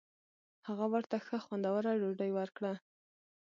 هغه ورته ښه خوندوره ډوډۍ ورکړه.